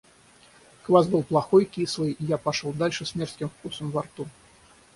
Квас был плохой и кислый, и я пошел дальше с мерзким вкусом во рту.